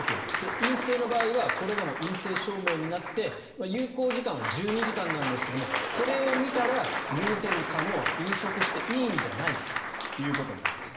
陰性の場合はこれが陰性証明になって有効時間は１２時間なんですがこれを見たら、入店可能飲食していいんじゃないかということになりました。